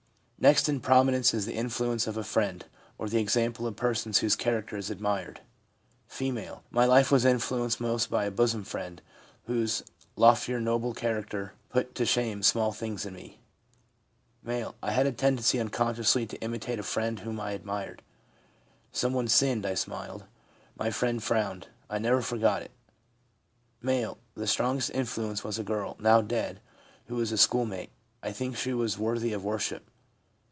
Next in prominence is the influence of a friend, or the example of persons whose character is admired. F. ' My life was influenced most by a bosom friend, whose lofty, noble character put to shame small things in me.' M. ' I had a tendency unconsciously to imitate a friend whom I admired. Someone sinned — I smiled ; my friend frowned. I never forgot it' M. ' The strongest influence was a girl, now dead, who was a schoolmate. I think she was worthy of w r orship.'